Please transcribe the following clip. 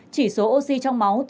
chỉ số oxy trong máu